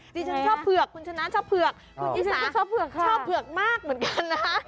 ดิฉันชอบเผือกคุณชนะชอบเผือกคุณอีสาชอบเผือกมากเหมือนกันนะคะ